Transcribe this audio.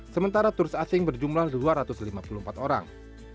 sementara turis asing berjumlah dua ratus lima puluh empat orang